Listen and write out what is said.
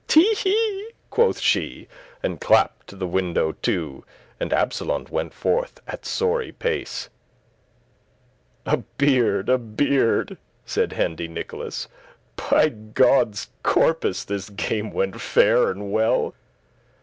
"Te he!" quoth she, and clapt the window to; And Absolon went forth at sorry pace. "A beard, a beard," said Hendy Nicholas; "By God's corpus, this game went fair and well."